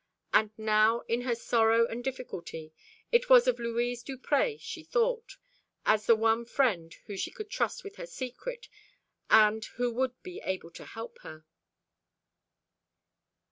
And now in her sorrow and difficulty it was of Louise Duprez she thought, as the one friend whom she could trust with her secret, and who would be able to help her.